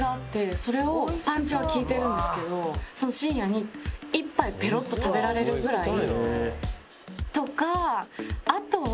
それをパンチは利いてるんですけど深夜に一杯ペロッと食べられるぐらい。とかあとは。